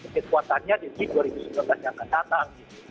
jadi kekuatannya di dua ribu sembilan belas yang akan datang